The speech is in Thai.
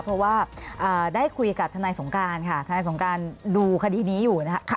เพราะว่าได้คุยกับทนายสงการค่ะทนายสงการดูคดีนี้อยู่นะคะ